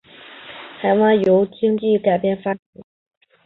台湾版由联经出版发行。